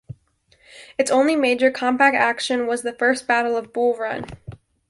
Its only major combat action was the First Battle of Bull Run.